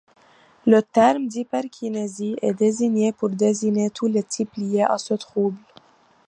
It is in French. Le terme d'hyperkinésie est désigné pour désigner tous les types liés à ce trouble.